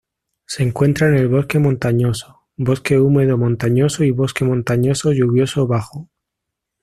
Se encuentra en el bosque montañoso, bosque húmedo montañoso y bosque montañoso lluvioso bajo.